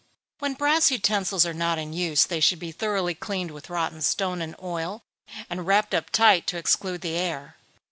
When brass utensils are not in use, they should be thoroughly cleaned with rotten stone and oil, and wrapped up tight to exclude the air.